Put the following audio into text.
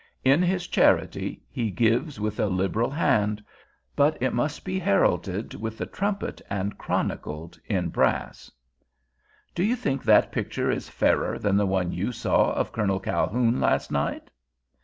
In his charity, he gives with a liberal hand; but it must be heralded with the trumpet and chronicled in brass.' "Do you think that picture is fairer than the one you saw of Colonel Calhoun last night?"